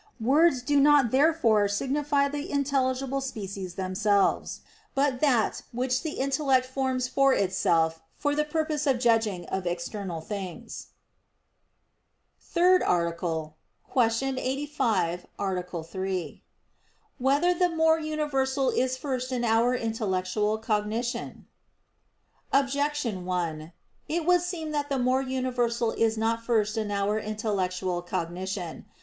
Words do not therefore signify the intelligible species themselves; but that which the intellect forms for itself for the purpose of judging of external things. _______________________ THIRD ARTICLE [I, Q. 85, Art. 3] Whether the More Universal Is First in Our Intellectual Cognition? Objection 1: It would seem that the more universal is not first in our intellectual cognition.